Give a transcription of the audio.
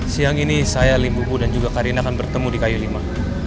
siang ini saya lim bu bu dan juga karina akan bertemu di kayu lima